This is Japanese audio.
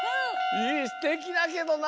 すてきだけどな。